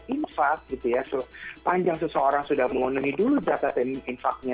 infak gitu ya sepanjang seseorang sudah memenuhi dulu data infaknya